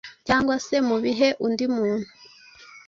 Cyangwa se mubihe undi muntu